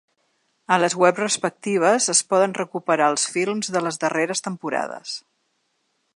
A les webs respectives es poden recuperar els films de les darreres temporades.